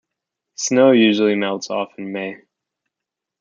Snow usually melts off in May.